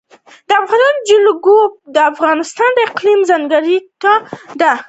د افغانستان جلکو د افغانستان د اقلیم ځانګړتیا ده.